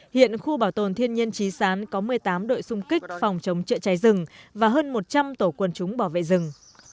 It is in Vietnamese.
hiện khu bảo tồn thiên nhiên trí sán có một mươi tám đội xung kích phòng chống trợ cháy rừng và hơn một trăm linh tổ quân chúng bảo vệ rừng